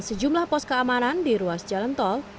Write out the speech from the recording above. sejumlah pos keamanan di ruas jalan tol